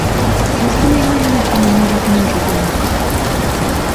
Кушко мемнан лӱддымӧ мераҥнаже йомо?